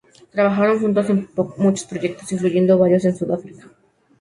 Trabajaron juntos en muchos proyectos, incluyendo varios en Sudáfrica.